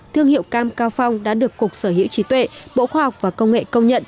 thương hiệu cam cao phong đã được cục sở hữu trí tuệ bộ khoa học và công nghệ công nhận